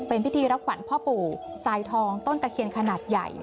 เป็นพิธีรับขวัญพ่อปู่สายทองต้นตะเคียนขนาดใหญ่